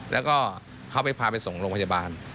แล้วก็เขาไปพาไปส่งโรงพยาบาล